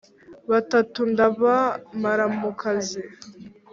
Batatu ndabamara mu kazi